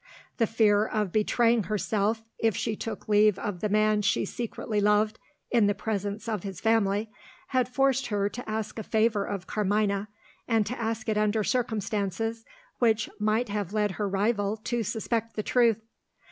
The fear of betraying herself if she took leave of the man she secretly loved, in the presence of his family, had forced her to ask a favour of Carmina, and to ask it under circumstances which might have led her rival to suspect the truth.